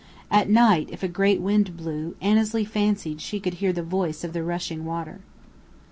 At night, if a great wind blew, Annesley fancied she could hear the voice of the rushing water.